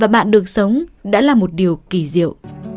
bạn được sống đã là một điều kỳ diệu